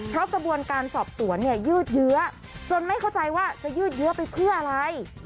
เพราะกระบวนการสอบสวนเนี่ยยืดเยื้อจนไม่เข้าใจว่าจะยืดเยื้อไปเพื่ออะไร